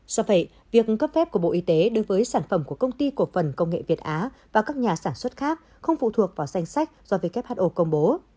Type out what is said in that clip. do vậy việc cấp phép của bộ y tế đối với sản phẩm của công ty cổ phần công nghệ việt á và các nhà sản xuất khác không phụ thuộc vào danh sách do who công bố